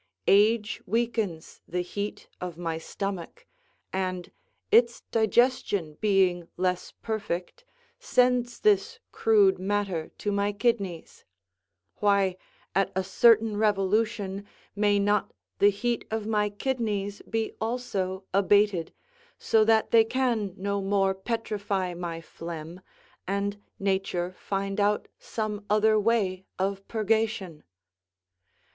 Age weakens the heat of my stomach, and, its digestion being less perfect, sends this crude matter to my kidneys; why, at a certain revolution, may not the heat of my kidneys be also abated, so that they can no more petrify my phlegm, and nature find out some other way of purgation.